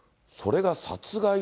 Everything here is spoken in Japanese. それが殺害。